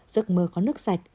giấc mơ có nước sạch